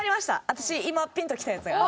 私今ピンときたやつが。